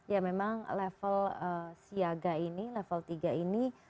ya memang level siaga ini level tiga ini